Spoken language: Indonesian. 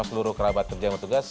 sama seluruh kerabat kerja dan petugas